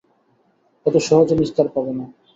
এত সহজে নিস্তার পাবে না।